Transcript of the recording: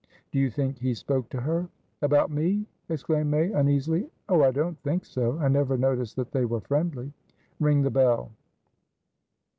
Do you think he spoke to her?" "About me?" exclaimed May, uneasily. "Oh! I don't think soI never noticed that they were friendly." "Ring the bell."